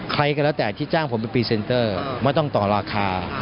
ใครก็แล้วแต่ที่จ้างผมเป็นพรีเซนเตอร์ไม่ต้องต่อราคา